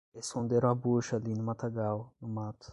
Esconderam a bucha ali no matagal, no mato